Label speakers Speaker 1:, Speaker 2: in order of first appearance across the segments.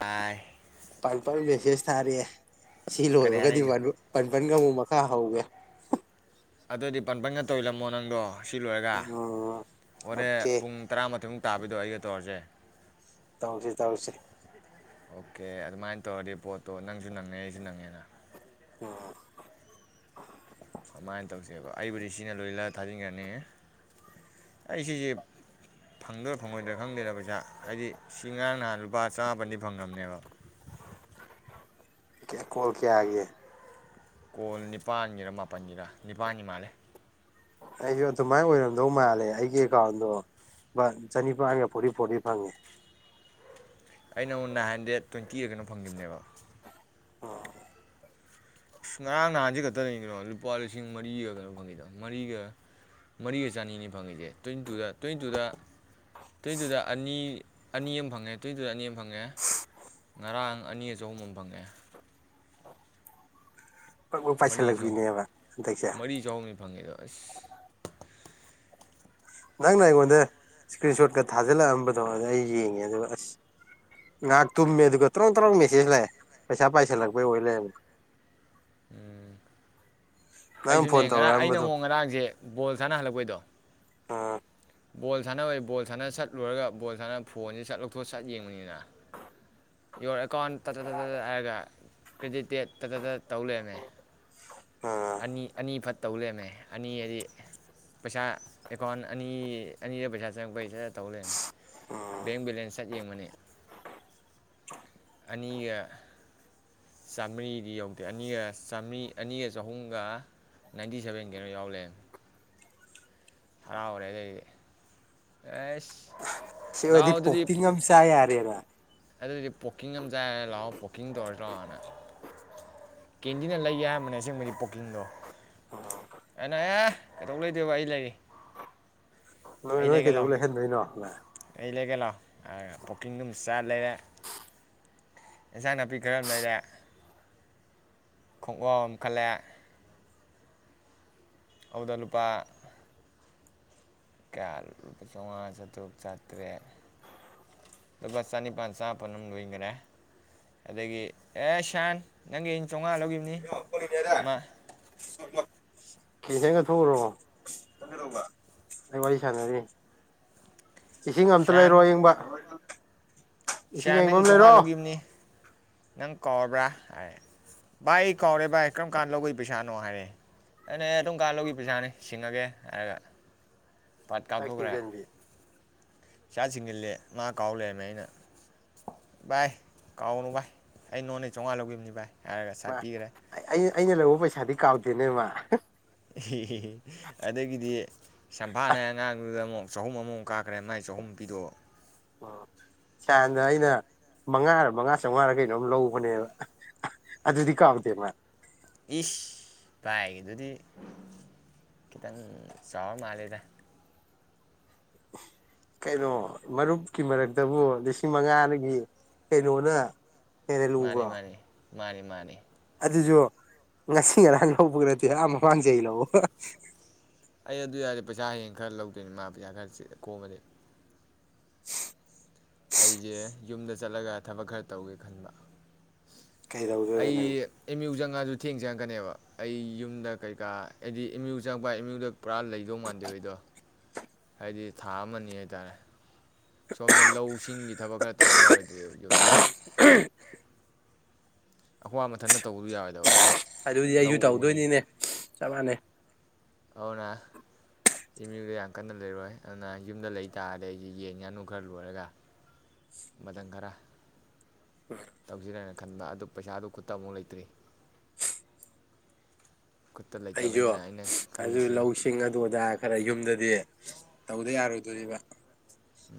Speaker 1: ꯄꯥꯏ
Speaker 2: ꯄꯜꯄꯜ ꯁꯦꯁ ꯊꯥꯔꯦ ꯁꯤꯤꯂꯣ
Speaker 1: ꯀꯔꯤ
Speaker 2: ꯑꯣꯏ ꯀ
Speaker 1: ꯍꯥꯏꯔꯛꯏꯅꯣ
Speaker 2: ꯄꯟꯄꯒ ꯃ ꯀ ꯍꯎꯒꯦ
Speaker 1: ꯑꯗꯨꯑꯣꯗꯤ ꯄꯄꯟꯒ ꯇꯧꯂꯝꯃꯣ ꯅꯪꯗꯣ ꯁꯤꯜꯂꯣꯏꯔꯒ
Speaker 2: ꯎꯝ
Speaker 1: ꯍꯣꯔꯦ
Speaker 2: ꯑꯣꯀꯦ
Speaker 1: ꯄꯨꯡ ꯇꯔꯥꯃꯥꯊꯣꯏ ꯇꯥꯕꯗꯣ ꯑꯩꯒ ꯇꯧꯔꯁꯦ
Speaker 2: ꯇꯧꯁꯤꯦ ꯇꯥꯎꯁꯤꯦ
Speaker 1: ꯑꯣꯀꯦ ꯑꯗꯨꯃꯥꯏꯅ ꯇꯧꯔꯗꯤ ꯄꯣꯠꯇꯣ ꯅꯪꯁꯨ ꯅꯪꯉꯦ ꯑꯩꯁꯨ ꯅꯪꯉꯦꯅ ꯁꯃꯥꯏꯅ ꯇꯧꯁꯦꯕ ꯑꯩꯕꯨꯗꯤ ꯁꯤꯅ ꯂꯣꯏꯂ ꯊꯥꯖꯤꯟꯈ꯭ꯔꯅꯤ ꯑꯩ ꯁꯤꯁꯦ ꯐꯪꯗꯣꯏꯔꯥ ꯐꯪꯉꯣꯏꯗꯣꯏꯔꯥ ꯈꯪꯗꯣꯏꯔꯥ ꯄꯩꯁꯥ ꯍꯥꯏꯗꯤ ꯁꯤ ꯉꯔꯥꯡ ꯅꯍꯥꯟ ꯂꯨꯄꯥ ꯆꯥꯃꯟꯗꯤ ꯐꯪꯉꯕꯅꯦꯕ
Speaker 2: ꯀ ꯀꯜ ꯀꯦꯌꯥꯦ
Speaker 1: ꯀꯣꯜ ꯅꯤꯄꯥꯜꯒꯤꯔ ꯃꯥꯄꯜꯒꯤꯔ ꯅꯤꯄꯥꯜꯒꯤ ꯃꯥꯜꯂꯦ
Speaker 2: ꯑꯩꯁꯨ ꯑꯗꯨꯃꯥꯏꯅ ꯑꯣꯏꯔꯝꯗꯧ ꯃꯥꯜꯂꯦ ꯑꯩꯒꯤ ꯑꯦꯀꯥꯎꯟꯗꯣ ꯆꯅꯤꯄꯥꯟꯒ ꯐꯣꯔꯇꯤ ꯐꯣꯔꯇꯤ ꯐꯪꯉꯦ
Speaker 1: ꯑꯩꯅ ꯎꯟꯅ ꯍꯟꯗꯦꯠ ꯇ꯭ꯋꯦꯟꯇꯤ ꯑꯦ ꯀꯩꯅꯣ ꯐꯪꯒꯤꯕꯅꯦꯕ
Speaker 2: ꯑꯣ
Speaker 1: ꯉꯔꯥꯡ ꯅꯍꯥꯟꯁꯤ ꯈꯛꯇ ꯂꯩ ꯀꯅꯣ ꯂꯨꯄꯥ ꯂꯤꯁꯤꯡ ꯃꯔꯤꯒ ꯀꯩꯅꯣ ꯐꯪꯉꯤꯗꯣ ꯃꯔꯤꯒ ꯃꯔꯤꯒ ꯆꯅꯤꯅꯤ ꯐꯪꯉꯁꯦ ꯇ꯭ꯋꯦꯟꯇꯤꯇꯨꯗ ꯇ꯭ꯋꯦꯟꯤꯇꯨꯗ ꯇ꯭ꯋꯦꯟꯇꯨꯗ ꯑꯅꯤ ꯑꯅꯤ ꯑꯃ ꯐꯪꯉꯦ ꯇ꯭ꯋꯦꯟꯇꯨꯗ ꯑꯅꯤ ꯑꯃ ꯐꯪꯉꯦ ꯉꯔꯥꯡ ꯑꯅꯤꯒ ꯆꯍꯨꯝ ꯑꯃ ꯐꯪꯉꯦ
Speaker 2: ꯄꯛ ꯄꯛ
Speaker 1: ꯃꯔꯤ ꯆꯍ
Speaker 2: ꯄꯥꯏꯁꯤꯜꯂꯛꯄꯤꯅꯦꯕ ꯍꯟꯗꯛꯁꯦ
Speaker 1: ꯃꯔꯤ ꯆꯍꯅꯤ ꯐꯪꯉꯦꯗ ꯑꯁ
Speaker 2: ꯅꯪꯅ ꯑꯩꯉꯣꯟꯗ ꯏꯁꯀ꯭ꯔꯤꯟ ꯁꯣꯠꯀ ꯊꯥꯖꯤꯜꯂꯛꯑꯝꯕꯗꯣ ꯑꯗꯨ ꯑꯩ ꯌꯦꯡꯉꯦ ꯑꯗꯨꯒ ꯑꯁ ꯉꯥꯏꯍꯥꯛ ꯇꯨꯝꯃꯦ ꯑꯗꯨꯒ ꯇꯔꯪ ꯇꯔꯪ ꯃꯦꯁꯦꯖ ꯂꯥꯛꯑꯦ ꯄꯩꯁꯥ ꯄꯥꯏꯁꯤꯜꯂꯛꯄꯩ ꯑꯣꯏ ꯂꯩꯕꯅꯦ
Speaker 1: ꯎꯝ
Speaker 2: ꯅꯪ
Speaker 1: ꯑꯩꯁꯨꯅꯦ
Speaker 2: ꯐꯣꯟ
Speaker 1: ꯉꯔꯥꯡ ꯑꯩꯅ
Speaker 2: ꯇꯧꯔꯛꯑꯝꯕꯗꯣ
Speaker 1: ꯑꯃꯨꯛ ꯉꯔꯥꯡꯁꯦ ꯕꯣꯜ ꯁꯥꯟꯅꯍꯜꯂꯛꯄꯩꯗꯣ
Speaker 2: ꯑꯥ
Speaker 1: ꯕꯣꯜ ꯁꯥꯟꯅꯅꯕ ꯕꯣꯜ ꯁꯥꯟꯅꯠꯂꯨꯔꯒ ꯕꯣꯜ ꯁꯥꯟꯅ ꯐꯣꯟꯁꯦ ꯆꯠ ꯂꯧꯊꯣꯛ ꯁꯠ ꯌꯦꯡꯕꯅꯤꯅ
Speaker 2: [inaudible]
Speaker 1: ꯌꯣꯔ ꯑꯦꯀꯥꯎꯟ ꯇꯥꯠꯠ ꯇꯠꯠ ꯍꯥꯏꯔꯒ ꯀ꯭ꯔꯦꯗꯤꯠꯇ ꯗꯦꯠ ꯇꯠꯠ ꯇ ꯇꯧꯂꯦꯅꯦ
Speaker 2: ꯑꯥ
Speaker 1: ꯑꯅꯤ ꯑꯅꯤ ꯐꯠꯇ ꯇꯧ ꯂꯩꯔꯝꯃꯦ ꯑꯅꯤ ꯍꯥꯏꯗꯤ ꯄꯩꯁꯥ ꯑꯦꯀꯥꯎꯟ ꯑꯅꯤ ꯑꯅꯤꯗ ꯄꯩꯁꯥ ꯆꯪꯉꯛꯄꯩꯁꯤꯗ ꯇꯧꯂꯦꯟ ꯕꯦꯡ ꯕꯂꯦꯟꯁꯠ ꯌꯦꯡꯕꯅꯦ
Speaker 2: ꯑ
Speaker 1: ꯑꯅꯤꯒ ꯆꯥꯝꯃꯔꯤꯗꯤ ꯌꯧꯗꯦ ꯑꯅꯤꯒ ꯆꯥꯝꯃꯔꯤ ꯑꯅꯤꯒ ꯆꯍꯨꯝꯒ ꯅꯥꯏꯟꯇꯤ ꯁꯕꯦꯟ ꯀꯩꯅꯣ ꯌꯥꯎꯂꯦ ꯍꯔꯥꯎ ꯑꯣꯏꯔꯦꯗꯩꯗꯤ ꯑꯦ
Speaker 2: ꯁꯤ ꯑꯣꯏꯗꯤ ꯄꯣꯛꯇꯤꯡ ꯉꯝ ꯆꯥꯏ ꯌꯥꯔꯦꯔ
Speaker 1: ꯑꯗꯨꯗꯤ ꯄꯣꯛꯀꯤꯡ ꯑꯃ ꯆꯥꯏꯔꯒ ꯂꯥꯛꯑꯣ ꯄꯣꯛꯀꯤꯡ ꯇꯧꯔꯖꯤ ꯂꯥꯀꯑꯣ ꯀꯦꯟꯗꯤꯅ ꯂꯩꯒꯦ ꯍꯥꯏꯝꯕꯅꯦ ꯑꯁꯦꯡꯕꯗꯤ ꯄꯣꯛꯀꯤꯡꯗꯣ ꯑꯩꯅ ꯑꯦ ꯀꯩꯗꯧ ꯂꯩꯗꯣꯏꯕ ꯑꯩ ꯂꯩꯔꯤ
Speaker 2: ꯅꯣꯏ
Speaker 1: ꯑꯩ
Speaker 2: ꯅꯣꯏ
Speaker 1: ꯂꯩꯒꯦ
Speaker 2: ꯀꯩꯗꯧ ꯂꯩ ꯍꯟꯗꯣꯏꯅꯣ ꯅ ꯫
Speaker 1: ꯀꯣꯀꯤꯡꯒꯝ ꯆꯥ ꯂꯩꯔꯦ ꯏꯟꯁꯥꯡ ꯅꯥꯄꯤ ꯈꯔ ꯑꯃ ꯂꯩꯔꯦ꯫ ꯈꯣꯡꯒꯥꯑꯣ ꯑꯃ ꯈꯜꯂꯦ꯫ ꯑꯗꯨꯗ ꯂꯨꯄꯥ ꯀꯌꯥ ꯂꯨ ꯆꯥꯝꯃꯉꯥ ꯆꯥꯇ꯭ꯔꯨꯛ ꯆꯥꯇ꯭ꯔꯦꯠ ꯂꯨꯄꯥ ꯆꯅꯤꯄꯥꯜ ꯆꯃꯥꯄꯜ ꯑꯃ ꯂꯣꯏꯈꯔꯦ ꯑꯗꯒꯤ ꯑꯦ ꯁꯟ ꯅꯪꯒꯤ ꯑꯩꯅ ꯆꯥꯝꯃꯉꯥ ꯂꯧꯈꯤꯕꯅꯤ ꯃꯥ
Speaker 2: [unintelligible] ꯑꯩ ꯋꯥꯔꯤ ꯁꯅꯔꯤ꯫ ꯏꯁꯤꯡ ꯑꯝꯇ ꯂꯩꯔꯣ ꯑꯥꯌꯤꯡꯕ꯫
Speaker 1: ꯁꯤꯌꯥ ꯅꯪꯒꯤ ꯆꯥꯝꯃꯉꯥ ꯂꯧꯈꯤꯕꯅꯤ ꯅꯪ ꯀꯥꯎꯔꯕ꯭ꯔꯥ ꯍꯥꯏ, ꯚꯥꯏ ꯀꯥꯎꯔꯦ ꯚꯥꯏ ꯀꯔꯝ ꯀꯥꯟꯗ ꯂꯧꯕꯒꯤ ꯄꯩꯁꯥꯅꯣ? ꯍꯥꯏꯔꯦ ꯑꯩꯅ ꯑꯗꯨꯝ ꯀꯥꯟꯗ ꯂꯧꯕꯒꯒꯤ ꯄꯩꯁꯥꯅꯤ ꯁꯤꯡꯉꯒꯦ ꯍꯥꯏꯔꯒ ꯄꯥꯠ
Speaker 2: ꯆꯥꯛ
Speaker 1: ꯀꯥꯞꯊꯣꯛꯈ꯭ꯔꯦ꯫
Speaker 2: ꯊꯤꯡꯖꯤꯟꯕꯤ
Speaker 1: ꯏꯆꯥ ꯆꯤꯡꯁꯤꯜꯂꯦ ꯃꯥ ꯀꯥꯎ ꯂꯩꯔꯝꯃꯦ ꯑꯩꯅ ꯚꯥꯏ ꯀꯥꯎꯅꯨ ꯚꯥꯏ ꯑꯩ ꯅꯉꯣꯟꯗꯩꯩ ꯆꯥꯝꯃꯉꯥ ꯂꯧꯈꯤꯕꯅꯤ ꯚꯥꯏ꯫ ꯍꯥꯏꯔꯒ ꯁꯥꯠꯄꯤꯈ꯭ꯔꯦ
Speaker 2: ꯑꯩꯅ ꯑꯩꯅ ꯂꯧꯕ ꯄꯩꯁꯥꯗꯤ ꯀꯥꯎꯗꯦ ꯅꯦꯃꯥ
Speaker 1: ꯑꯗꯒꯤꯗꯤ [unintelligible] ꯑꯉꯥꯡꯗꯨꯗ ꯑꯃꯛ ꯆꯍꯨꯝ ꯑꯃꯃꯝ ꯀꯥꯈ꯭ꯔꯦ ꯃꯥꯏ ꯆꯍꯨꯝ ꯄꯤꯗꯣ
Speaker 2: ꯑꯣ ꯁꯥꯟꯗꯣꯑꯩꯅ ꯃꯉꯥꯔ ꯃꯉꯥ ꯆꯧꯉꯔ ꯀꯩꯅꯣꯝ ꯂꯧꯕꯅꯦꯕ ꯑꯗꯨꯗꯤ ꯀꯥꯎꯗꯦ ꯃꯥ꯫
Speaker 1: ꯄꯤꯁ ꯕꯥꯏꯒꯤꯗꯨꯗꯤ ꯈꯤꯇꯪ ꯆꯥꯎꯔ ꯃꯥꯜꯂꯦꯗ!
Speaker 2: ꯀꯩꯅꯣ ꯃꯔꯨꯞꯀꯤ ꯃꯔꯛꯇꯕꯨ ꯂꯤꯁꯤꯡ ꯃꯉꯥꯗꯒꯤ ꯀꯩꯅꯣꯅ ꯍꯦꯔ ꯂꯨꯕ꯭ꯔꯣ?
Speaker 1: ꯃꯥꯅꯤ-ꯃꯥꯅꯤ꯫
Speaker 2: ꯁꯤꯁꯨ ꯉꯁꯤ ꯉꯔꯥꯡ ꯂꯧꯕꯒ ꯅꯠꯇꯦ ꯑꯥ ꯃꯃꯥꯡ ꯆꯍꯤ ꯂꯣꯕ꯫
Speaker 1: ꯑꯩ ꯑꯗꯨ ꯌꯥꯔꯦ ꯄꯩꯁꯥ ꯍꯌꯦꯡ ꯈꯔ ꯂꯧꯗꯣꯏꯅꯤ ꯃꯥ ꯄꯩꯁꯥ ꯈꯔ ꯀꯣꯝꯝꯕꯗꯤ꯫ ꯑꯩꯁꯦ ꯌꯨꯝꯗ ꯆꯠꯂꯒ ꯊꯕꯛ ꯈꯔ ꯇꯧꯒꯦ ꯈꯟꯕ꯫
Speaker 2: ꯀꯩꯗꯧꯗꯣꯏꯕ
Speaker 1: ꯑꯩ
Speaker 2: ꯅꯪ
Speaker 1: ꯑꯦꯝ ꯌꯨꯖꯥꯡ ꯉꯥꯖꯨ ꯊꯦꯡ ꯆꯪꯉꯛꯀꯅꯦꯕ ꯑꯩ ꯌꯨꯝꯗ ꯀꯩꯀꯥ ꯍꯥꯏꯗꯤ ꯑꯝ ꯌꯨ ꯆꯪꯉꯛꯄ ꯏꯃꯌꯨꯗ ꯄꯨꯔꯥ ꯂꯩꯗꯧ ꯃꯥꯟꯗꯦ ꯑꯩꯗꯣ꯫ ꯍꯥꯏꯗꯤ ꯊꯥ ꯑꯃꯅꯤ ꯍꯥꯏꯇꯥꯔꯦ꯫ ꯁꯣꯝꯗ ꯂꯧ ꯁꯤꯡꯒꯤ ꯊꯕꯛ ꯈꯔ ꯇꯧꯗ ꯌꯥꯔꯣꯏꯗ꯭ꯔꯦ ꯌꯨꯝꯗ꯫ ꯑꯈꯣꯕꯥ ꯃꯊꯟꯇ ꯇꯧꯕꯗꯨ ꯌꯥꯔꯣꯏꯗꯕ꯫
Speaker 2: ꯑꯗꯨꯗꯤ ꯑꯩꯁꯨ
Speaker 1: ꯂꯧ ꯎꯕꯅꯤꯅ
Speaker 2: ꯇꯧꯗꯣꯏꯅꯤꯅꯦ ꯆꯞ ꯃꯥꯟꯅꯩ꯫
Speaker 1: ꯑꯗꯨꯅ ꯑꯝ ꯌꯨ ꯗ ꯌꯥꯝ ꯀꯟꯅ ꯂꯩꯔꯣꯏ ꯑꯗꯨꯅ ꯌꯨꯝꯗ ꯂꯩꯇꯥꯥꯔꯗꯤ ꯑꯩꯒꯤ ꯌꯦꯟ ꯉꯥꯅꯨ ꯈꯔ ꯂꯣꯏꯔꯒ ꯃꯥꯇꯝ ꯈꯔꯥ꯫ ꯇꯧꯁꯤꯔꯦꯅ ꯈꯟꯕ ꯑꯗꯨ ꯄꯩꯁꯥꯗꯨ ꯈꯨꯠꯇ ꯑꯃꯨꯛ ꯂꯩꯇ꯭ꯔꯤ꯫ ꯈꯨꯠꯇ
Speaker 2: ꯑꯩꯁꯨ
Speaker 1: ꯂꯩꯇꯕꯅꯤꯅ ꯑꯩꯅ
Speaker 2: ꯑꯗꯨ
Speaker 1: ꯈꯜꯂꯤꯁꯤ
Speaker 2: ꯂꯧꯁꯤꯡ ꯑꯗꯨꯗꯥ ꯈꯔ ꯌꯨꯝꯗꯗꯤ ꯇꯧꯗ ꯌꯥꯔꯣꯏꯗꯣꯏꯕ꯫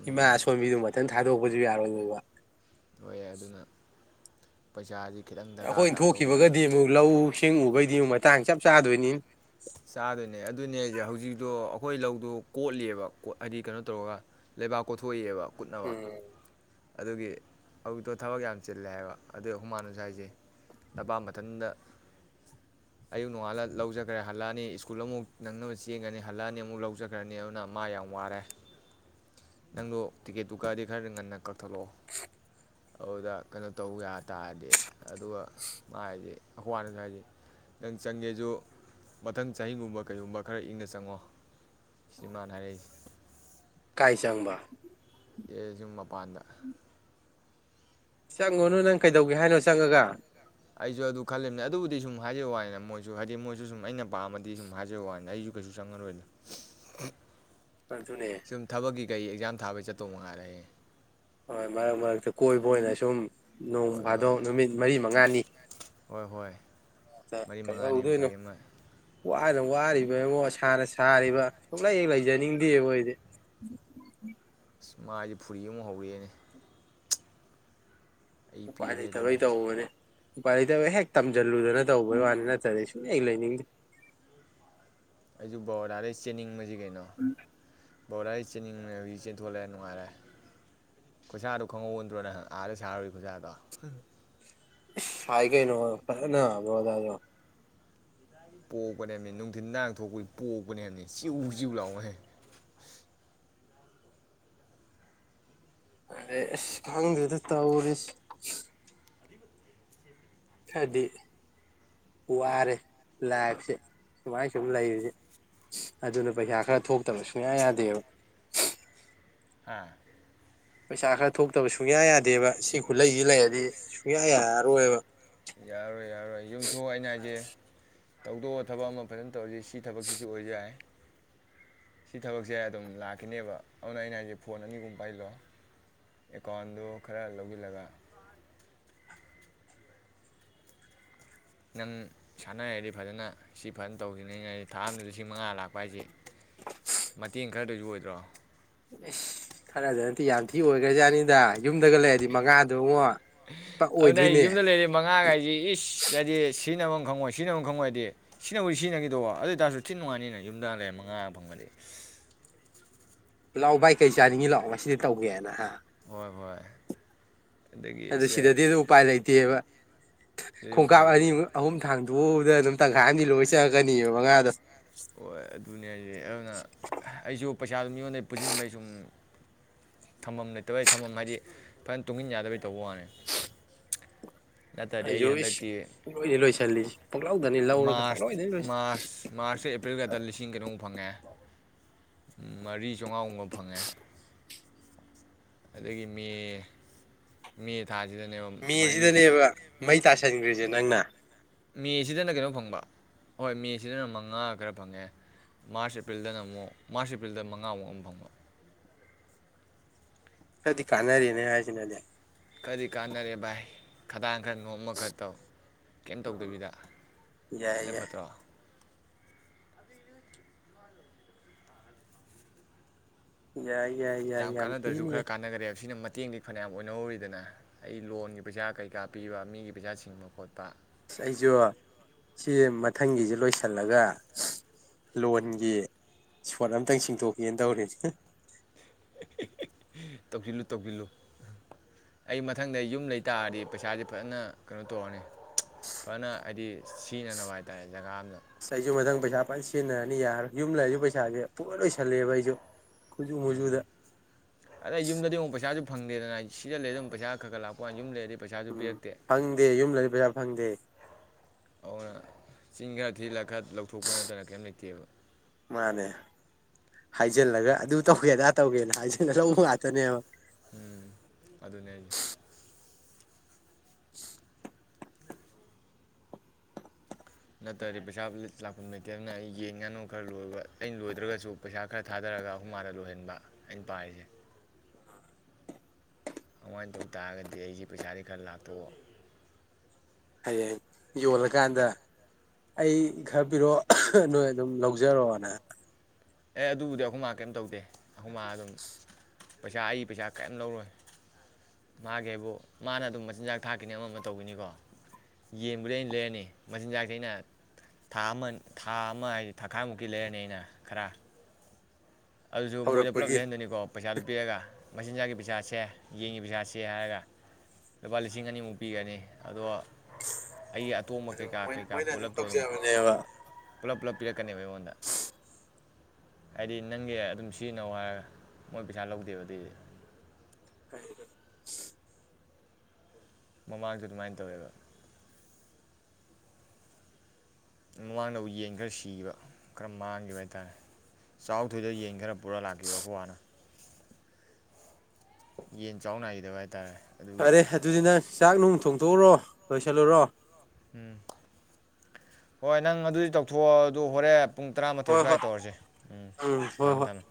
Speaker 2: ꯏꯃꯥ ꯑꯁꯣꯝꯕꯤꯗꯨ ꯃꯊꯟ ꯊꯥꯗꯣꯛ ꯄꯖꯨ ꯌꯥꯔꫭꯏ [unintelligible]
Speaker 1: ꯄꯩꯁꯥꯖꯤ
Speaker 2: ꯑꯩꯈꯣꯏꯅ ꯊꯣꯛꯈꯤꯕꯒꯗꯤ ꯑꯃꯨꯛ ꯂꯧ ꯁꯤꯡꯎꯕꯩꯗꯤ ꯑꯃꯨꯛ ꯇꯥꯡ ꯆꯞ ꯆꯥꯗꯣꯏꯅꯤ
Speaker 1: ꯆꯥ‌ꯗꫭꯏꯅꯦ‌ ꯑꯗꯨ ꯑꯗꯨꯅꯦ ꯍꯧꯖꯤꯛꯇꯣ ꯑꯩꯈꯣꯏ ꯂꯧꯗꯣ ꯀꯣꯠꯂꯤꯌꯦꯕ ꯀꫭꯠ ꯍꯥꯏꯗꯤ ꯀꯩꯅꯣ ꯇꯧꯔꯒ ꯂꯩꯕꯥꯛ ꯀꯣꯊꯣꯛꯏꯑꯕ ꯀꯨꯠꯅꯕ
Speaker 2: ꯎꯝ
Speaker 1: ꯑꯗꯨꯒꯤ ꯑꫭꯏꯇꯣ ꯊꯕꯛ ꯌꯥꯝ ꯆꯤꯜꯂꯦ ꯍꯥꯏꯕ ꯑꯗꯨꯏ ꯑꯍꯨꯝ ꯃꯥꯅꯖꯨ ꯍꯥꯏꯖꯦ ꯅꯄꯥ ꯃꯊꯟꯗ ꯑꯌꯨꯛ ꯅꯣꯡꯉꯥꯜꯂ ꯂꯧꯆꯠꯈ꯭ꯔꯦ ꯍꯜꯂꯛꯑꯅꯤ ꯁ꯭ꯀꯨꯜ ꯑꯃꯨꯛ ꯅꯪꯅꯕ ꯆꯦꯟꯅꯅꯤ ꯍꯜꯂꯛꯑꯅꯤ ꯑꯃꯨꯛ ꯂꯧꯆꯠꯈ꯭ꯔꯅꯤ ꯑꯗꯨꯅ ꯃꯥ ꯌꯥꯝ ꯋꯥꯔꯦ ꯅꯪꯗꯣ ꯇꯤꯛꯀꯦꯠꯇꯨ ꯀꯥꯛꯑꯗꯤ ꯈꯔ ꯉꯟꯅ ꯀꯛꯊꯠꯂꯛꯑꯣ ꯑꯗꯨꯗ ꯀꯩꯅꯣ ꯇꯧ ꯌꯥ ꯇꯥꯔꯗꯤ ꯑꯗꯨꯒ ꯃꯥ ꯍꯥꯏꯖꯦ ꯑꯩꯈ ꯃꯥꯅꯖꯨ ꯍꯥꯏꯖꯦ ꯅꯪ ꯆꯪꯒꯦꯖꯨ ꯃꯊꯪ ꯆꯍꯤꯒꯨꯝꯕ ꯀꯩꯒꯨꯝꯕ ꯈꯔ ꯏꯪꯅ ꯆꯪꯉꯣ ꯁꯤꯅꯤ ꯃꯥꯅ ꯍꯥꯏꯔꯛꯏꯁꯦ
Speaker 2: ꯀꯥꯏ ꯆꯪꯕ
Speaker 1: ꯑꯦ ꯌꯨꯝ ꯃꯄꯥꯟꯗ
Speaker 2: ꯆꯪꯉꯨꯔꯅꯨ ꯅꯪ ꯀꯩꯗꯧꯒꯦ ꯍꯥꯏꯅꯣ ꯆꯪꯉꯒ
Speaker 1: ꯑꯗꯨꯗꯤ ꯁꯨꯝ ꯍꯥꯏꯕꯩ ꯋꯥꯅꯤꯗ ꯃꯣꯏꯁꯨ ꯍꯥꯏꯗꯤ ꯃꯣꯏꯁꯨ ꯁꯨꯝ ꯑꯩꯅ ꯄꯥꯝꯃꯗꯤ ꯁꯨꯝ ꯍꯥꯏꯕꯩ ꯋꯥꯅꯤꯗ ꯑꯩꯁꯨ ꯀꯩꯁꯨ ꯆꯪꯉꯔꯣꯏꯗ
Speaker 2: ꯑꯗꯨꯅꯦ
Speaker 1: ꯁꯨꯝ ꯊꯕꯛꯀꯤ ꯀꯩ ꯑꯦꯛꯖꯥꯝ ꯊꯥꯕꯩ ꯆꯠꯇꯧ ꯃꯉꯥꯏꯔꯦ
Speaker 2: ꯍꯣꯏ ꯃꯔꯛ ꯃꯔꯛꯇ ꯀꯣꯏꯕ ꯑꯣꯏꯅ ꯁꯨꯝ ꯅꯣꯡ
Speaker 1: ꯍꯣꯏ ꯍꯣꯏ
Speaker 2: ꯐꯥꯗꯣꯛ ꯅꯨꯃꯤꯠ ꯃꯔꯤ ꯃꯉꯥꯅꯤ
Speaker 1: ꯍꯣꯏ ꯍꯣꯏ
Speaker 2: [unintelligible]
Speaker 1: ꯃꯔꯤ
Speaker 2: ꯀꯩꯗꯧꯅ
Speaker 1: ꯃꯉꯥꯅꯤ ꯑꯃ
Speaker 2: ꯗꫭꯏꯅꫭ
Speaker 1: ꯀꯔꯤ ꯑꯃ
Speaker 2: ꯋꯥ [unintelligible] ꯋꯥꯔꯤꯕꯉꫭ ꯁꯥꯅ ꯁꯥꯔꯤꯕ ꯁꯨꯡꯂꯩ ꯍꯦꯛ ꯂꯩꯖꯅꯤꯡꯗꯦꯉꫭ ꯑꯩꯗꯤ
Speaker 1: ꯑꯁ ꯃꯥꯏꯖꯦ ꯐꯨꯔꯤ ꯑꯃꯨ ꯍꯧꯔꯛꯑꯦꯅꯦ ꯑꯩ
Speaker 2: ꯎꯄꯥꯏ
Speaker 1: ꯄꯦꯜꯂꯦꯗ
Speaker 2: ꯂꯩꯇꯕꯩ
Speaker 1: ꯚꯥꯏ
Speaker 2: ꯇꯧꯕꯅꯤ ꯎꯄꯥꯏ ꯂꯩꯇꯕꯩ ꯍꯦꯛ ꯇꯝꯖꯜꯂꯨꯗꯅ ꯇꯧꯕꯩ ꯋꯥꯅꯤ ꯅꯠꯇ꯭ꯔꯗꯤ ꯁꯨꯡ ꯂꯩꯍꯦꯛ ꯂꯩꯅꯤꯡꯗꯦ
Speaker 1: [unintelligible] ꯕꯥꯔꫭꯗꯗꯩ ꯆꯦꯟꯅꯤꯡ ꯕꯖꯤ ꯀꯩꯅꯣ ꯕꯔꫭꯗꯗꯩ ꯆꯦꯟꯅꯤꯡꯂꯩ ꯍꯧꯖꯤꯛ ꯆꯦꯟꯊꯣꯂꯛꯑꯦ ꯅꯨꯡꯉꯥꯏꯔꯦ ꯈꯨꯁꯥꯗꯣ ꯈꯪꯍꯧꯏꯕ ꯅꯠꯗ꯭ꯔꯣ ꯅꯪ ꯑꯥꯗ ꯁꯥꯔꯨꯏ ꯈꯨꯁꯥꯗꯣ
Speaker 2: ꯏꯁ ꯁꯥꯏ ꯀꯩꯅꫭ ꯐꯥꯖꯟꯅ ꯕꯔꫭꯗꯖꯨ
Speaker 1: ꯄꯣꯛꯄꯅꯦꯄꯦ ꯅꯨꯡꯊꯤꯟꯗ ꯉꯍꯥꯛ ꯊꯣꯛꯄꯖꯦ ꯄꯣꯛꯄꯅꯦ ꯍꯥꯏꯕꯅꯦ ꯆꯤꯎ ꯆꯤꯎ ꯂꯥꯎꯉꯩ [unintelligible]
Speaker 2: ꯑꯔꯦ ꯏꯁ ꯈꯪꯗꯦꯗ ꯇꯧꯔꯤꯁꯤ ꯈꯔꯗꯤ ꯋꯥꯔꯦ ꯂꯥꯏꯐꯁꯦ ꯁꯨꯃꯥꯏ ꯁꯨꯝ ꯂꯩꯕꯖꯦ ꯑꯗꯨꯅ ꯄꯩꯁꯥ ꯈꯔ ꯊꯣꯛꯇꯕ ꯁꯨꯡꯌꯥ ꯌꯥꯗꯦꯕ [unintelligible]
Speaker 1: ꯍꯥ
Speaker 2: ꯄꯩꯁꯥ ꯈꯔ ꯊꯣꯛꯇꯕ ꯁꯨꯡꯌꯥ ꯌꯥꯗꯦꯕ ꯁꯤ ꯈꯨꯠꯂꯩꯖꯦ ꯂꯩꯔꯗꯤ ꯁꯨꯡꯌꯥ ꯌꯥꯔꯔꯣꯏꯕ
Speaker 1: ꯌꯥꯔꯔꯣꯏ ꯌꯥꯔꯔꯣꯏ ꯌꯨꯝꯊꯣꯑ ꯑꯩꯅꯍꯥꯏꯖꯦ ꯇꯧꯗꯣꯕ ꯊꯕꯛ ꯑꯃ ꯐꯖꯅ ꯇꯧꯔꯖꯤ ꯁꯤ ꯊꯕꯛꯁꯤꯁꯨ ꯑꯣꯏ ꯌꯥꯏ ꯁꯤ ꯊꯕꯛꯁꯦ ꯑꯗꯨꯝ ꯂꯥꯛꯈꯤꯅꯦꯕ ꯑꯗꯨꯅ ꯑꯩꯅ ꯍꯥꯏꯖꯦ ꯐꯣꯟ ꯑꯅꯤꯒꯨꯝꯕ ꯄꯥꯏꯁꯤꯜꯂꯣ ꯑꯦꯀꯥꯎꯟꯗꯨ ꯈꯔ ꯂꯧꯖꯤꯜꯜꯂꯒ ꯅꯪ ꯁꯥꯟꯅ ꯍꯩꯔꯗꯤ ꯐꯖꯅ ꯁꯤ ꯐꯖꯅ ꯇꯧꯈꯤꯕꯅ ꯌꯥꯏ ꯊꯥ ꯑꯃꯗ ꯂꯤꯁꯤꯡ ꯃꯉꯥ ꯂꯥꯛꯄ ꯍꯥꯏꯖꯦ ꯃꯇꯦꯡ ꯈꯔꯗꯁꯨ ꯑꯣꯏꯗ꯭ꯔꯣ
Speaker 2: ꯏꯁ ꯈꯔꯗ ꯅꯠꯇꯦ ꯌꯥꯝ ꯊꯤ ꯑꯣꯏꯒ꯭ꯔꯖꯥꯠꯅꯤꯗ ꯌꯨꯝꯗꯒ ꯂꯩꯔꯗꯤ ꯃꯉꯥꯗꯨꯉꫭ ꯄꯥꯛ
Speaker 1: ꯑꯗꯨꯅ ꯑꯩ
Speaker 2: ꯑꯣꯏꯗꯣꯏꯅꯦ
Speaker 1: ꯌꯨꯝꯗ ꯁꯤꯖꯤꯅꯕꯝ ꯈꯪꯉꯣꯏ ꯁꯤꯅꯕꯐꯝ ꯈꯪꯉꯣꯏꯗꯤ ꯁꯤꯖꯤꯅꯕꯕꯨꯗꯤ ꯁꯤꯖꯤꯟꯅꯈꯤꯗꯧꯕ ꯑꯗꯨ ꯑꯣꯏꯇꯥꯔꯁꯨ ꯊꯤꯅ ꯅꯨꯡꯉꯥꯏꯅꯤꯅ ꯌꯨꯝꯗ ꯂꯩꯔ ꯃꯉꯥ ꯐꯪꯕꯗꯤ
Speaker 2: ꯂꯥꯎ ꯚꯥꯏ ꯀꯩ
Speaker 1: ꯁꯤ
Speaker 2: ꯆꯥꯅꯤꯡꯉꯤ ꯂꯥꯎ ꯉꯁꯤꯗꯤ ꯇꯧꯒꯦ ꯍꯥꯏꯅ ꯍ
Speaker 1: ꯍꯣꯏ ꯍꯣꯏ ꯑꯗꯒꯤ
Speaker 2: ꯑꯗ
Speaker 1: ꯁꯦ
Speaker 2: ꯁꯤꯗꯗꯤ ꯎꯄꯥꯏ ꯂꯩꯏꯇꯦꯕ
Speaker 1: ꯑꯗꯨꯗꯤ ꯎꯄꯥꯏ
Speaker 2: ꯈꯣꯡꯀꯥꯞ
Speaker 1: ꯂꯩꯇꯦ
Speaker 2: ꯑꯅꯤꯃꯨꯛ ꯑꯍꯨꯝ ꯊꯥꯡꯗꯣ ꯑꯗꯨꯗ ꯑꯗꯨꯝ ꯇꯪꯈꯥꯏꯅꯤ ꯂꯣꯏ ꯆꯪꯉꯛꯀꯅꯤꯕ ꯃꯉꯥꯗꯣ
Speaker 1: ꯍꯣꯏ ꯑꯗꯨꯅꯦ ꯍꯥꯏꯖꯦ ꯑꯗꯨꯅ ꯑꯩꯁꯨ ꯄꯩꯁꯥꯗꯨ ꯃꯤꯉꯣꯟꯗꯩ ꯄꯨꯁꯤꯟꯕꯩ ꯁꯨꯝ ꯊꯝꯐꯝ ꯂꯩꯇꯕꯩ ꯊꯝꯐꯝ ꯍꯥꯏꯗꯤ ꯐꯖꯅ ꯇꯨꯡꯃꯤꯟ ꯌꯥꯗꯕꯩ ꯇꯧꯕ ꯋꯥꯅꯤ ꯅꯠꯇ꯭ꯔꯗꯤ ꯑꯩ
Speaker 2: ꯑꯩꯁꯨ ꯏꯁ
Speaker 1: ꯍꯟꯗꯛꯀꯤ
Speaker 2: ꯄꯨꯡꯂꯣꯏꯗ ꯂꯣꯏꯁꯤꯜꯂꯤꯁꯤ ꯄꯨꯡꯂꯧꯗꯅꯤ ꯂꯧꯔꯒ
Speaker 1: ꯃꯥꯔꯁ
Speaker 2: ꯄꯨꯡꯂꯣꯏꯗꯅꯤ ꯂꯣꯏꯁꯤꯜ
Speaker 1: ꯃꯥꯔꯁ ꯃꯥꯔꯁꯀ ꯑꯦꯄ꯭ꯔꯤꯜꯒꯗ ꯂꯤꯁꯤꯡ ꯀꯩꯅꯣꯃꯨꯛ ꯐꯪꯉꯦ ꯃꯔꯤ ꯆꯧꯉꯥꯒꯨꯝꯕ ꯐꯪꯉꯦ ꯑꯗꯒꯤ ꯃꯦ ꯃꯦ ꯊꯥꯁꯤ
Speaker 2: ꯃꯦꯁꯤꯗꯅꯦꯕ ꯃꯩ ꯇꯥꯁꯤꯟꯒ꯭ꯔꯤꯁꯦ ꯖꯦ ꯅꯪꯅ
Speaker 1: ꯃꯦꯁꯤꯗꯅ ꯀꯩꯅꯣ ꯐꯪꯕ ꯍꯣꯏ ꯃꯦꯁꯤꯗꯅ ꯃꯉꯥ ꯈꯔ ꯐꯪꯉꯦ ꯃꯥꯔꯁ ꯑꯦꯄ꯭ꯔꯤꯜꯗꯅ ꯑꯃꯨꯛ ꯃꯥꯔꯁ ꯑꯦꯄ꯭ꯔꯤꯜꯗ ꯃꯉꯥꯃꯨꯛ ꯑꯃꯨ ꯐꯪꯕ
Speaker 2: ꯈꯔꯗꯤ ꯀꯥꯟꯅꯔꯦꯅꯦ ꯍꯥꯏꯁꯤꯅꯗꯤ
Speaker 1: ꯈꯔꯗꯤ ꯀꯥꯟꯅꯔꯦ ꯚꯥꯏ ꯈꯗꯥꯡ ꯈꯔ ꯅꯣꯝꯃ ꯈ ꯇꯧ ꯀꯩꯝ ꯇꯧꯗꯕꯤꯗ
Speaker 2: ꯌꯥꯏ
Speaker 1: ꯁꯤꯅ
Speaker 2: ꯌꯥꯏ
Speaker 1: ꯐꯠꯇ꯭ꯔꯣ
Speaker 2: ꯌꯥꯏ ꯌꯥꯏ ꯌꯥꯏ ꯌꯥꯝ
Speaker 1: ꯀꯥꯟꯅꯗ꯭ꯔꯁꯨ
Speaker 2: ꯊꯤꯅ
Speaker 1: ꯈꯔ
Speaker 2: ꯌꯥꯏ
Speaker 1: ꯀꯥꯟꯅꯈꯔꯦꯕ ꯁꯤꯅ ꯃꯇꯦꯡꯗꯤ ꯐꯅꯌꯥꯝ ꯑꯣꯏꯅꯍꯧꯔꯤꯗꯅ ꯑꯩ ꯂꯣꯟꯒꯤ ꯄꯩꯁꯥ ꯀꯩꯀꯥ ꯄꯤꯕ ꯃꯤꯒꯤ ꯄꯩꯁꯥ ꯁꯤꯡꯕ ꯈꯣꯠꯄ
Speaker 2: ꯑꯩꯁꯨ ꯁꯤ ꯃꯊꯪꯒꯤꯁꯦ ꯂꯣꯏꯁꯤꯜꯂꯒ ꯂꯣꯟꯒꯤ ꯏꯁꯄꯣꯠ ꯑꯝꯇꯪ ꯁꯤꯡꯗꯣꯛꯀꯦꯅ ꯇꯧꯔꯤꯅꯦ
Speaker 1: ꯇꯧꯁꯤꯜꯂꯨ ꯇꯧꯁꯤꯜꯂꯨ ꯑꯩ ꯃꯊꯪꯗ ꯌꯨꯝ ꯂꯩ ꯇꯥꯔꯗꯤ ꯄꯩꯁꯥꯁꯦ ꯐꯖꯅ ꯀꯩꯅꯣ ꯇꯧꯔꯅꯤ ꯐꯖꯅ ꯍꯥꯏꯗꯤ ꯁꯤꯖꯤꯟꯅꯅꯕ ꯍꯥꯏꯇꯥꯥꯔꯦ ꯖꯒꯥ ꯑꯝꯗ
Speaker 2: ꯑꯁ ꯑꯩꯁꯨ ꯃꯊꯪ ꯄꯩꯁꯥ ꯄ ꯁꯤꯖꯤꯟꯅꯔꯅꯤ ꯌꯥꯔ ꯌꯨꯝ ꯂꯩ ꯑꯩꯁꯨ ꯄꯩꯁꯥꯁꯦ ꯄꯨ ꯂꯣꯏꯁꯜꯂꯦꯕ ꯑꯩꯁꯨ ꯈꯨꯖꯨ
Speaker 1: ꯎꯝ
Speaker 2: ꯃꯨꯖꯨꯗ
Speaker 1: ꯑꯗꯩ ꯌꯨꯝꯗꯗꯤ ꯑꯃꯨꯛ ꯄꯩꯁꯥꯁꯨ ꯐꯪꯗꯦꯗꯅ ꯁꯤꯗ ꯂꯩ ꯑꯗꯨꯝ ꯄꯩꯁꯥ ꯈꯔ ꯈꯔ ꯂꯥꯛꯄ ꯋꯥꯅꯤ ꯌꯨꯝ ꯂꯩꯔ
Speaker 2: ꯎꯝ ꯐꯪꯗꯦ ꯌꯨꯝ ꯂꯩꯔꯗꯤ ꯄꯩꯁꯥ ꯐꯪꯗꯦ
Speaker 1: ꯅ ꯆꯤꯡ ꯈꯔ ꯊꯤꯖꯤꯜꯂꯒ ꯈꯔ ꯂꯧꯊꯣꯛꯄ ꯅꯠꯇꯅ ꯀꯔꯤꯝ ꯂꯩꯇꯦꯕ
Speaker 2: ꯃꯥꯅꯦ ꯍꯥꯏꯖꯤꯜꯂꯒ ꯑꯗꯨ ꯇꯧꯒꯦ ꯑꯗꯥ ꯇꯧꯒꯦꯅ ꯍꯥꯏꯖꯤꯜꯂꯒ ꯂꯧꯕ ꯉꯥꯛꯇꯅꯦꯕ
Speaker 1: ꯎꯝ ꯑꯗꯨꯅꯦ ꯑꯩꯒꯤ ꯅꯠꯇ꯭ꯔꯗꯤ ꯄꯩꯁꯥ ꯂꯥꯛꯄꯝ ꯂꯩꯇꯦ ꯑꯗꯨꯅ ꯑꯩ ꯌꯦꯟ ꯉꯥꯅꯨ ꯈꯔ ꯂꯣꯏꯕ ꯑꯩꯅ ꯂꯣꯏꯗ꯭ꯔꯒꯁꯨ ꯄꯩꯁꯥ ꯈꯔ ꯊꯥꯗꯔꯒ ꯑꯈꯣꯏ ꯃꯥꯗ ꯂꯣꯏꯍꯟꯕ ꯑꯩꯅ ꯄꯥꯔꯤꯁꯦ ꯑꯗꯨꯃꯥꯏꯅ ꯇꯧ ꯇꯥꯔꯒꯗꯤ ꯑꯩꯁꯦ ꯄꯩꯁꯥꯗꯤ ꯈꯔ ꯂꯥꯛꯇꯧꯕ
Speaker 2: ꯍꯌꯦꯡ ꯌꯣꯜꯂꯀꯥꯟꯗ ꯑꯩ ꯈꯔ ꯄꯤꯔꯛꯑꯣ ꯅꯣꯏ ꯑꯗꯨꯝ ꯂꯧꯖꯔꯣꯅ
Speaker 1: ꯑꯦ ꯑꯗꯨꯕꯨꯗꯤ ꯑꯩꯈꯣꯏ ꯃꯥ ꯀꯔꯤꯝ ꯇꯧꯗꯦ ꯑꯩꯈꯣꯏ ꯃꯥ ꯑꯗꯨꯝ ꯄꯩꯁꯥ ꯑꯩ ꯄꯩꯁꯥ ꯀꯔꯤꯝ ꯂꯧꯔꯣꯏ ꯃꯥꯒꯤ ꯍꯥꯏꯕꯨ ꯃꯥꯅ ꯑꯗꯨꯝ ꯃꯆꯤꯟꯖꯥꯛ ꯊꯥꯛꯀꯤꯅꯤ ꯑꯃ ꯑꯃ ꯇꯧꯈꯤꯅꯤꯀꯣ ꯌꯦꯟꯕꯨꯗꯤ ꯑꯩꯅ ꯂꯩꯔꯅꯤ ꯃꯆꯤꯟꯖꯥꯛꯁꯦ ꯑꯩꯅ ꯊꯥ ꯑꯃ ꯊꯥ ꯑꯃ ꯍꯥꯏꯗꯤ ꯊꯥꯈꯥꯏꯃꯨꯛꯀꯤ ꯂꯩꯔꯅꯤ ꯑꯩꯅ ꯈꯔ ꯑꯗꯨꯁꯨ ꯃꯣꯏꯗ ꯄꯨꯂꯞ
Speaker 2: ꯍꯧꯔꯛꯄꯒꯤ
Speaker 1: ꯂꯩꯍꯟꯗꯅꯤꯀꯣ ꯄꯩꯁꯥꯗꯨꯣ ꯄꯤꯔꯒ ꯃꯆꯤꯟꯖꯥꯛꯒꯤ ꯄꯩꯁꯥꯥꯁꯤ ꯁꯦ ꯌꯦꯟꯒꯤ ꯄꯩꯁꯥꯥꯁꯤ ꯍꯥꯏꯔꯒ ꯂꯨꯄꯥ ꯂꯤꯁꯤꯡ ꯑꯅꯤꯃꯨꯛ ꯄꯤꯒꯅꯤ ꯑꯗꯣ ꯑꯩꯒꯤ ꯑꯇꯣꯝꯕ
Speaker 2: ꯑꯗꯨ
Speaker 1: ꯀꯩꯀꯥ ꯀꯩꯀꯥ
Speaker 2: ꯃꯣꯏꯅ
Speaker 1: ꯄꯨꯂꯞꯇꯣ ꯑꯗꯨꯝ
Speaker 2: ꯇꯧꯖꯕꯅꯦꯕ
Speaker 1: ꯄꯨꯂꯞ ꯄꯨꯂꯞ ꯄꯤꯔꯛꯀꯅꯦꯕ ꯑꯩꯉꯣꯟꯗ ꯍꯥꯏꯗꯤ ꯅꯪꯒꯤ ꯑꯗꯨꯝ ꯁꯤꯖꯤꯟꯅꯧ ꯍꯥꯏꯔꯒ ꯃꯣꯏ ꯄꯩꯁꯥ ꯂꯧꯗꯦꯕ ꯑꯗꯨꯏꯗꯤ
Speaker 2: ꯀꯔꯤꯒꯤ
Speaker 1: ꯃꯃꯥꯡꯗ ꯑꯗꯨꯃꯥꯏꯅ ꯇꯧꯋꯦꯕ ꯃꯃꯥꯡꯗꯕꯨ ꯌꯦꯟ ꯈꯔ ꯁꯤꯈꯤꯕ ꯈꯔ ꯃꯥꯡꯈꯤꯕ ꯍꯥꯏꯇꯥꯥꯔꯦ ꯆꯥꯎ ꯊꯣꯏꯗꯕ ꯌꯦꯟ ꯈꯔ ꯄꯨꯔ ꯂꯥꯛꯈꯤꯕ ꯑꯩꯀꯣꯏ ꯕꯅ ꯌꯦꯟ ꯆꯥꯎ ꯅꯥꯈꯤꯗꯕ ꯍꯥꯏꯇꯥꯔꯦ ꯑꯗꯨꯒꯤ
Speaker 2: ꯐꯔꯦ ꯑꯗꯨꯗꯤ ꯅꯪ ꯆꯥꯛ ꯅꯨꯡ ꯊꯣꯡ ꯎꯔꯣ ꯂꯣꯏꯁꯤꯟꯂꯨꯔꯣ
Speaker 1: ꯎꯝ ꯍꯣꯏ ꯅꯪ ꯑꯗꯨꯗꯤ ꯇꯧꯊꯣꯛꯑꯣ ꯑꯗꯨ ꯍꯣꯔꯦꯟ ꯄꯨꯡ ꯇꯔꯥꯃꯥꯊꯣꯏ
Speaker 2: ꯍꯣꯏ ꯍꯣꯏ
Speaker 1: ꯁ꯭ꯋꯥꯏꯗ ꯇꯧꯔꯁꯤ ꯎꯝ
Speaker 2: ꯍꯣꯏ
Speaker 1: ꯊꯝꯃꯦ
Speaker 2: ꯍꯣꯏ
Speaker 1: ꯊꯝꯃꯦ